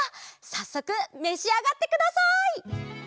さっそくめしあがってください。